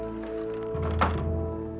aku karena tuhan